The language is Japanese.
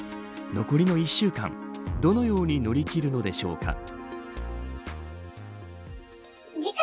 残りの１週間どのように乗り切るのでしょうか。